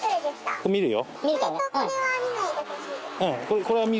これ見るよ。